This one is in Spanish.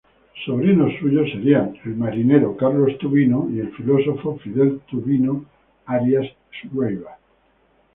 Sobrinos suyos serían el almirante Carlos Tubino y el filósofo Fidel Tubino Arias Schreiber.